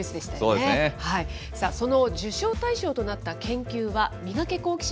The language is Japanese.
その受賞対象となった研究は、ミガケ、好奇心！